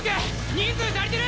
人数足りてる！